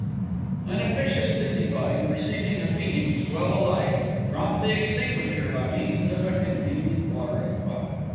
An Officious Busybody, perceiving a Phoenix well alight, promptly extinguished her by means of a convenient watering pot.